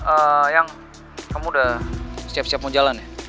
ayang kamu udah siap siap mau jalan ya